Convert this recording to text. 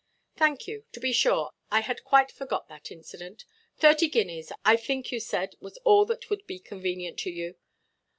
"Thank you. To be sure. I quite forgot that incident. Thirty guineas, I think you said, was all that would be convenient to you."